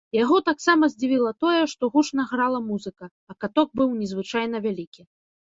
Яго таксама здзівіла тое, што гучна грала музыка, а каток быў незвычайна вялікі.